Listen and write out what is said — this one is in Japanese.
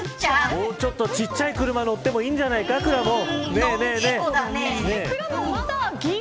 もうちょっとちっちゃい車乗ってもいいんじゃないかくらもん。